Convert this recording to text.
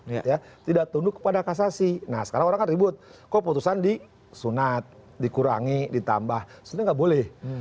ya tidak tunduk kepada kasasi nah sekarang ribut kok putusan di sunat dikurangi ditambah sudah boleh